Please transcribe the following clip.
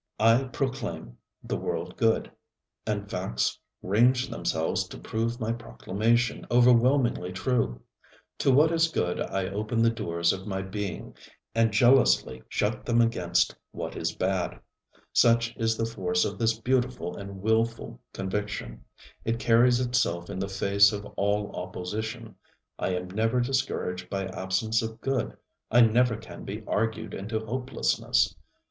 I proclaim the world good, and facts range themselves to prove my proclamation overwhelmingly true. To what is good I open the doors of my being, and jealously shut them against what is bad. Such is the force of this beautiful and wilful conviction, it carries itself in the face of all opposition. I am never discouraged by absence of good. I never can be argued into hopelessness.